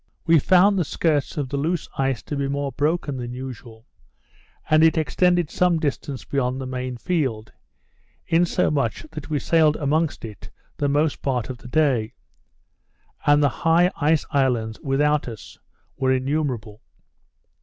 We found the skirts of the loose ice to be more broken than usual; and it extended some distance beyond the main field, insomuch that we sailed amongst it the most part of the day; and the high ice islands without us were innumerable.